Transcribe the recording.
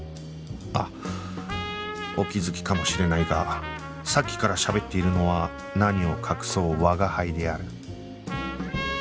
あっお気づきかもしれないがさっきからしゃべっているのは何を隠そう吾輩である